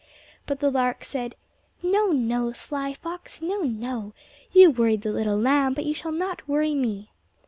But the lark said, "No, no, sly fox; no, no! You worried the little lamb, but you shall not worry me."